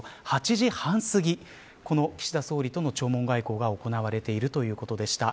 ８時半過ぎに岸田総理との弔問外交が行われているということでした。